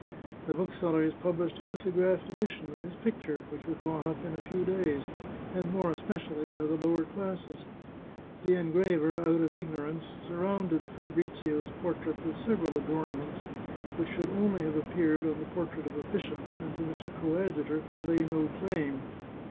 The booksellers published a lithographed edition of his picture, which was bought up in a few days, and more especially by the lower classes. The engraver, out of ignorance, sur rounded Fabrizio's portrait with several adornments, which should only have appeared on the portrait of a bishop, and to which a coadjutor could lay no claim.